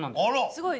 すごい。